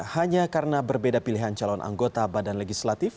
hanya karena berbeda pilihan calon anggota badan legislatif